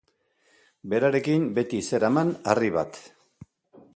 Berarekin, beti zeraman harri bat.